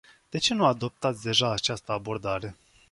De ce nu adoptați deja această abordare?